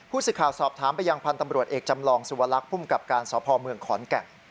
สื่อข่าวสอบถามไปยังพันธ์ตำรวจเอกจำลองสุวรรคภูมิกับการสพเมืองขอนแก่น